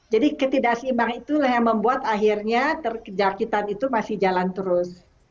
jadi ketidaksimbang itu yang membuat akhirnya keterjakitan itu masih jalan terus